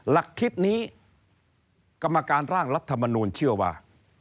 หลักคิดนี้กรรมการร่างรัฐมนูลเชื่อว่า